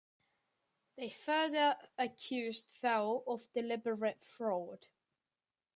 They further accused Fell of deliberate fraud.